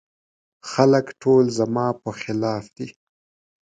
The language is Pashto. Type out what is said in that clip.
خلګ ټول زما په خلاف دي.